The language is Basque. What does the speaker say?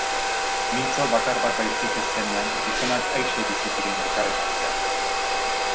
Mintzo bakar bat baizik ez zenean, gizonak aise bizi ziren elkarren artean.